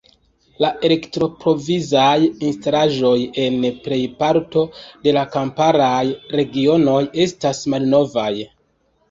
La elektroprovizaj instalaĵoj en plejparto de la kamparaj regionoj estas malnovaj.